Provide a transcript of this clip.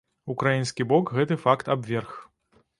Украінскі бок гэты факт абверг.